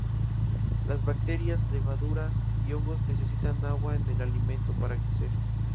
Las bacterias, levaduras y hongos necesitan agua en el alimento para crecer.